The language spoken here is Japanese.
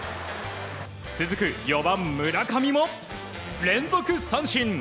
続く４番、村上も連続三振。